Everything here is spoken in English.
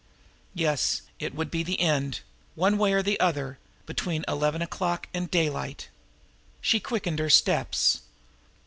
Yes, it would be the end one way or the other between eleven o'clock and daylight! She quickened her steps.